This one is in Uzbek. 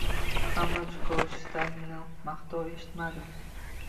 Ammo Jukov Stalindan maqtov eshitmadi